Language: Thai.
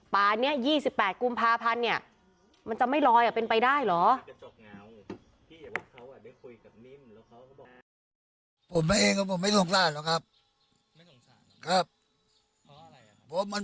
ป่านนี้๒๘กุมภาพันธ์เนี่ยมันจะไม่ลอยเป็นไปได้เหรอ